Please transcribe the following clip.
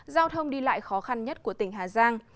giao thông đi lại khó khăn nhất của tỉnh hà giang